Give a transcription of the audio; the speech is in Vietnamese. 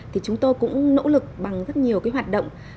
thì chúng tôi cũng nỗ lực bằng rất nhiều cái hoạt động